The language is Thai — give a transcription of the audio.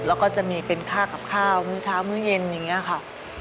แล้วก็จะมีเป็นค่ากับข้าวมื้อเช้ามื้อเย็นอย่างนี้ค่ะ